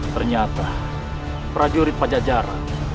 ternyata prajurit pajajara